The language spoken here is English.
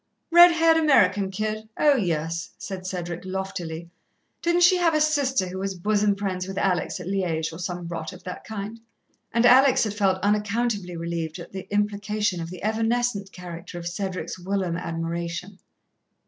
"Red haired American kid? Oh, yes," said Cedric loftily. "Didn't she have a sister who was bosom friends with Alex at Liège, or some rot of that kind?" And Alex had felt unaccountably relieved at the implication of the evanescent character of Cedric's whilom admiration.